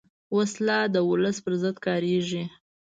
وسله د ولس پر ضد کارېږي